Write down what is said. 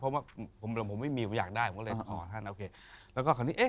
ว่าผมไม่มีอยากได้ก็เลยพอ